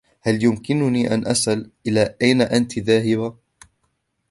هل يمكنني أن أسأل, إلى أين أنتِ ذاهبة؟